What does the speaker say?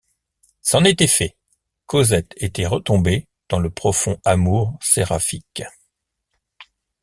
C’en était fait, Cosette était retombée dans le profond amour séraphique.